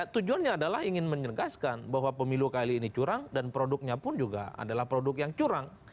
tujuannya adalah ingin menegaskan bahwa pemilu kali ini curang dan produknya pun juga adalah produk yang curang